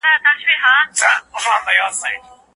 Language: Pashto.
ولي مدام هڅاند د پوه سړي په پرتله بریا خپلوي؟